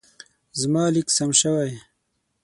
زما لیک سم شوی.